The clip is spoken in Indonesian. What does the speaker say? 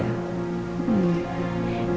ya mbak pikir kan walaupun